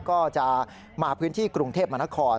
ก็จะมาพื้นที่กรุงเทพมนคร